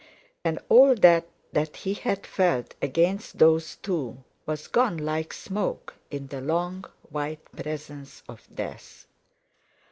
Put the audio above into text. And all that he had felt against those two was gone like smoke in the long white presence of Death.